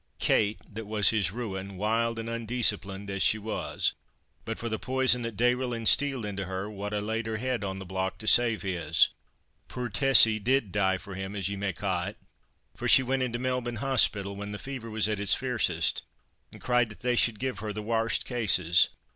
Kate, that was his ruin, wild and undeesciplined as she was, but for the poison that Dayrell insteeled into her, wad ha' laid her head on the block to save his. Puir Tessie did die for him, as ye may ca' it, for she went into Melbourne Hospital when the fever was at its fiercest, and cried that they should give her the warst cases.